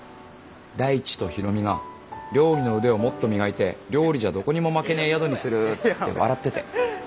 大地と大海が料理の腕をもっと磨いて料理じゃどこにも負けねえ宿にするって笑ってて。